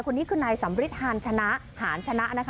คนนี้คือนายศัมฤษฎิรณธรรมชนะหารธรรมชนะนะคะ